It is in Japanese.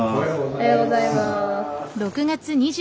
おはようございます。